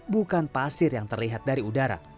bukan pasir yang terlihat dari udara